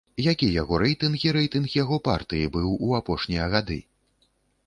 Які яго рэйтынг і рэйтынг яго партыі быў у апошнія гады?